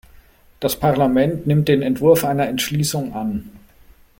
Das Parlament nimmt den Entwurf einer Entschließung an.